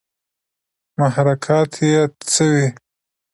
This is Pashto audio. محرکات ئې څۀ وي